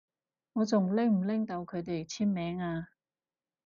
我仲拎唔拎到佢哋簽名啊？